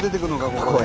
ここで。